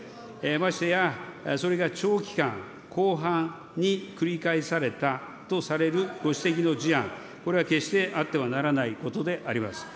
ましてや、それが長期間、広範に繰り返されたとされるご指摘の事案、これは決してあってはならないことであります。